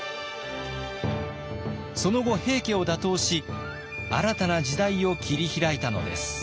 その後平家を打倒し新たな時代を切り開いたのです。